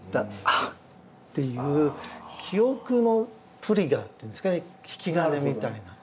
「ああ」っていう記憶のトリガーっていうんですんかね引き金みたいな。